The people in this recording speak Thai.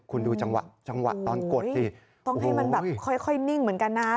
คุณดูจังหวะจังหวะตอนกดสิต้องให้มันแบบค่อยนิ่งเหมือนกันนะ